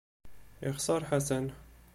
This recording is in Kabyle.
Ixser Ḥasan.